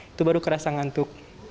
itu baru kerasa ngantuk